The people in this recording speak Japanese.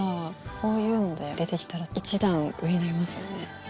こういうので出てきたら一段上になりますよね。